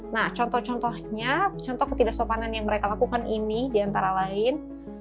nah contoh contohnya contoh ketidaksopanan yang mereka lakukan ini diantara lain